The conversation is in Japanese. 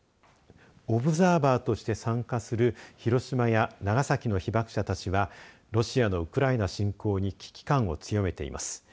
オブザーバーとして参加する広島や長崎の被爆者たちはロシアのウクライナ侵攻に危機感を強めています。